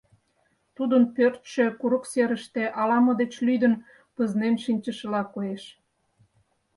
Тудын пӧртшӧ курык серыште ала-мо деч лӱдын пызнен шинчышыла коеш.